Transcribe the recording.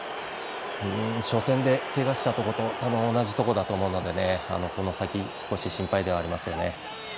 初戦でけがしたところと多分、同じところだと思うのでこの先少し心配ではありますね。